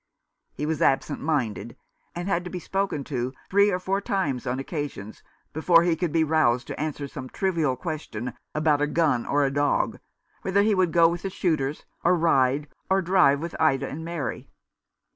He was absent minded, and had to be spoken to three or four times on occasions, before he could be roused to answer some trivial question about a gun or a dog, whether he would go with the shooters or ride or drive with Ida and Mary.